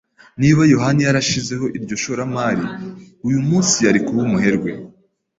Niba yohani yarashizeho iryo shoramari, uyu munsi yari kuba umuherwe.